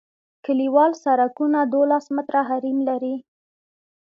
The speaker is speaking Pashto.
کلیوال سرکونه دولس متره حریم لري